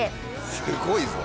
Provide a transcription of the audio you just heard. すごいぞ。